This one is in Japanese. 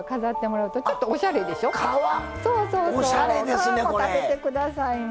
皮も食べてくださいね。